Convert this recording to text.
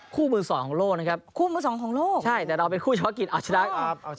คู่มือสองของโลกนะครับใช่แต่เราเป็นคู่เฉพาะกิจคู่มือสองของโลก